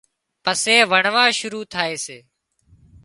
پسي وڻوا شُروع ٿائي سي